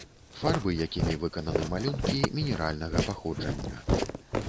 Фарбы, якімі выкананы малюнкі, мінеральнага паходжання.